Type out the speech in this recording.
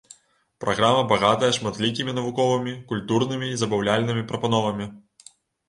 Праграма багатая шматлікімі навуковымі, культурнымі і забаўляльнымі прапановамі.